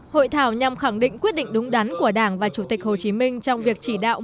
hội thảo nhằm khẳng định quyết định đúng đắn của đảng và chủ tịch hồ chí minh trong việc chỉ đạo